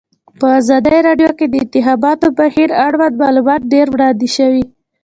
په ازادي راډیو کې د د انتخاباتو بهیر اړوند معلومات ډېر وړاندې شوي.